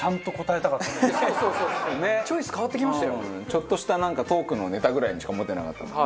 ちょっとしたなんかトークのネタぐらいにしか思ってなかったもんね。